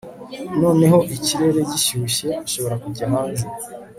noneho ikirere gishyushye, nshobora kujya hanze